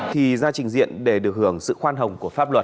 thì ra trình diện để được hưởng sự khoan hồng của pháp luật